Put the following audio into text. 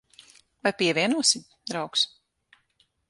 Vai pievienosi, draugs?